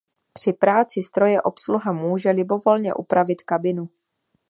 Při práci stroje obsluha může libovolně upravit kabinu.